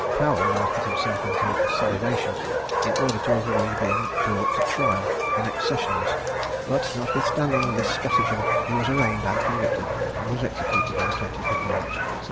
Powel now put himself into a salivation, in order to avoid being brought to trial the next sessions; but, notwithstanding this stratagem, he was arraigned and convicted, and was executed on the 20th of March, 1717.